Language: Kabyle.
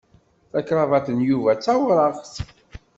Takrabaṭ n Yuba d tawṛaɣt.